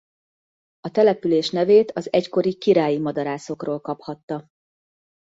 A település nevét az egykori királyi madarászokról kaphatta.